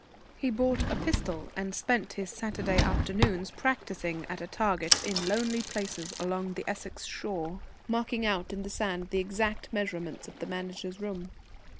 He bought a pistol, and spent his Saturday afternoons practising at a target in lonely places along the Essex shore, marking out in the sand the exact measurements of the Manager's room.